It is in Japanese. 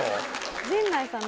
陣内さん